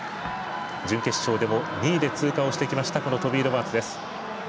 準決勝でも２位で通過をしてきたトビー・ロバーツです。